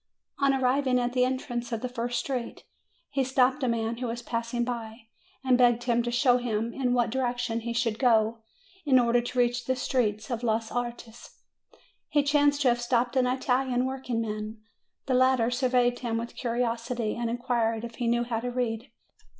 On arriving at the entrance of the first street, he stopped a man who was passing by, and begged him to show him in what direction he should go in order to reach the street of los Artes. He chanced to have stopped an Italian workingman. The latter surveyed him with curiosity, and inquired if he knew how to read.